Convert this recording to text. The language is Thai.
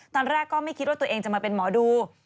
ตอนแรกก็ไม่คิดว่าตัวเองจะมาเป็นหมอดู